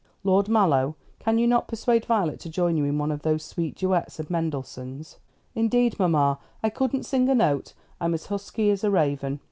"Lord Mallow, cannot you persuade Violet to join you in one of those sweet duets of Mendelssohn's?" "Indeed, mamma, I couldn't sing a note. I'm as husky as a raven."